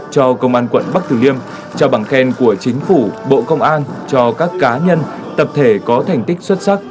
cho công an quận bắc tử liêm trao bằng khen của chính phủ bộ công an cho các cá nhân tập thể có thành tích xuất sắc